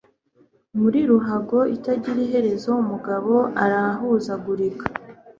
muri ruhago itagira iherezo umugabo arahuzagurika